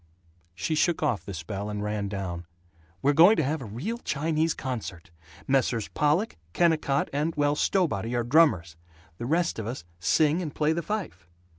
She shook off the spell and ran down. "We're going to have a real Chinese concert. Messrs. Pollock, Kennicott, and, well, Stowbody are drummers; the rest of us sing and play the fife."